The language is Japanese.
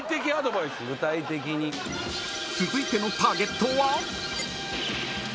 ［続いてのターゲットは］